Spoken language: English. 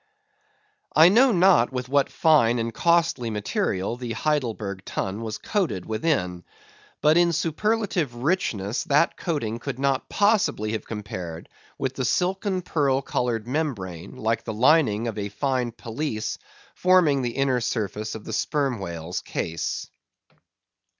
I know not with what fine and costly material the Heidelburgh Tun was coated within, but in superlative richness that coating could not possibly have compared with the silken pearl coloured membrane, like the lining of a fine pelisse, forming the inner surface of the Sperm Whale's case.